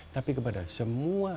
tapi kepada semua